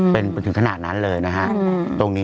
เป็นถึงถนัดนั้นเลยนะคะ